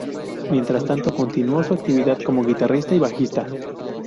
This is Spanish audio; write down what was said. Mientras tanto, continuó su actividad como guitarrista y bajista.